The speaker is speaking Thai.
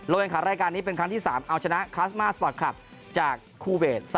แข่งขันรายการนี้เป็นครั้งที่๓เอาชนะคลาสมาสปอร์ตคลับจากคูเวท๓